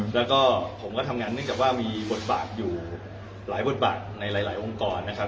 แล้วก็ผมก็ทำงานเนื่องจากว่ามีบทบาทอยู่หลายบทบาทในหลายองค์กรนะครับ